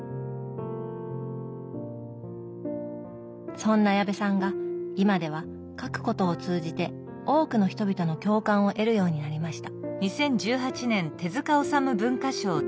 そんな矢部さんが今では描くことを通じて多くの人々の共感を得るようになりました。